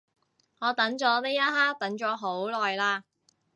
我等咗呢一刻等咗好耐嘞